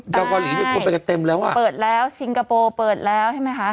เกาหลีเนี่ยคนไปกันเต็มแล้วอ่ะเปิดแล้วซิงคโปร์เปิดแล้วใช่ไหมคะ